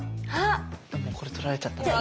でもこれ取られちゃったらな。